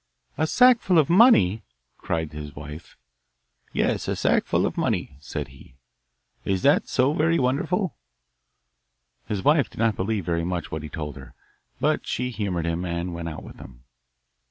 'A sackful of money?' cried his wife. 'Yes, a sackful of money,' said he. 'Is that so very wonderful?' His wife did not believe very much what he told her, but she humoured him, and went out with him.